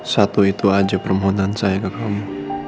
satu itu aja permohonan saya ke kamu